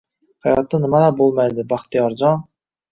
Hayotda nimalar boʻlmaydi, Baxtiyorjon